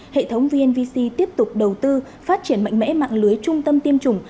hệ thống vnvc tiếp tục đầu tư phát triển mạnh mẽ mạng lưới trung tâm tiêm chủng